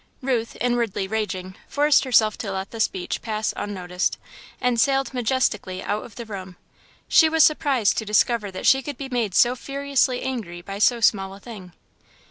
Ruth, inwardly raging, forced herself to let the speech pass unnoticed, and sailed majestically out of the room. She was surprised to discover that she could be made so furiously angry by so small a thing.